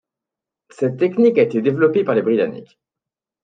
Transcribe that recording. Cette technique a été développée par les Britanniques.